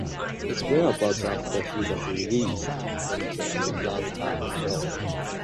His whereabouts after he was released from the underground are unknown.